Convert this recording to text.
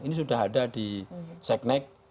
ini sudah ada di seknek